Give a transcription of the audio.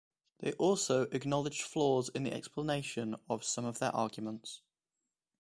They also acknowledged flaws in the explanation of some of their arguments.